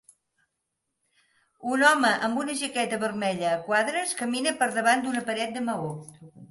Un home amb una jaqueta vermella a quadres camina per davant d'una paret de maó.